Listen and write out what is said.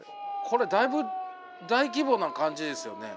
これだいぶ大規模な感じですよね。